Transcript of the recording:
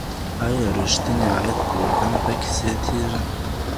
ایا ریښتینی عاید په اوږده موده کي زیاتیږي؟